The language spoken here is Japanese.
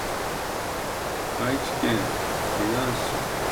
愛知県江南市